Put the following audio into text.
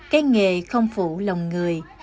cái nghề không phụ lòng người